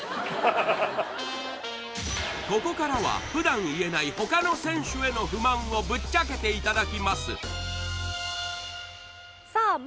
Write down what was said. ここからは普段言えない他の選手への不満をぶっちゃけていただきますさあ